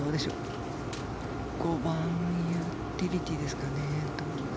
５番ユーティリティーですかね。